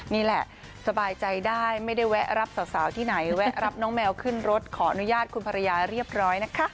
นี่แหละสบายใจได้ไม่ได้แวะรับสาวที่ไหนแวะรับน้องแมวขึ้นรถขออนุญาตคุณภรรยาเรียบร้อยนะคะ